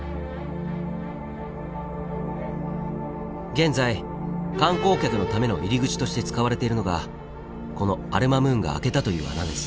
現在観光客のための入り口として使われているのがこのアル・マムーンが開けたという穴です。